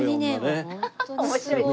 面白い女ね。